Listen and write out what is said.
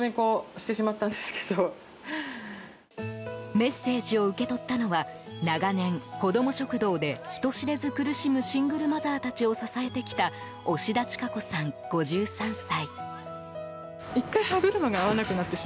メッセージを受け取ったのは長年、子ども食堂で人知れず苦しむシングルマザーたちを支えてきた押田智子さん、５３歳。